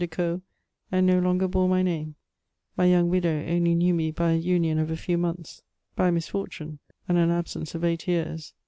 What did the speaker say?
de Caud, and no longer bore my name ; my young vndaw only knew me by a union of a few months, by misfortune, and an absence of eight years.